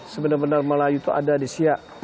sebenarnya melayu itu ada di siak